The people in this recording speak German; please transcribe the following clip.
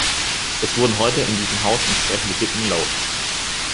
Es wurden heute in diesem Haus entsprechende Bitten laut.